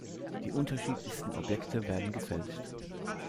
Die unterschiedlichsten Objekte werden gefälscht.